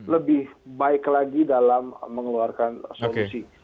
lebih baik lagi dalam mengeluarkan solusi